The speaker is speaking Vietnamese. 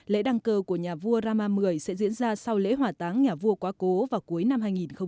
lễ đăng cơ của nhà vua rama x sẽ diễn ra sau lễ hỏa táng nhà vua quá cố vào cuối năm hai nghìn một mươi bảy